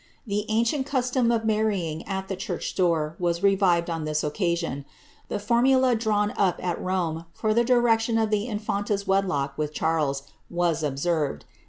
The ancient custom of marrying at the church door was revived on this occasion. The formula drawn up at Rome, for the direction of the infanta's wedlock with Charles, was observed.